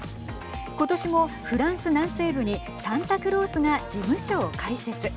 今年もフランス南西部にサンタクロースが事務所を開設。